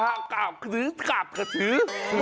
อ่ากาบกระสือกาบกระสือ